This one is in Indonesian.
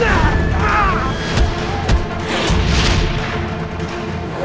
dan kata naga workers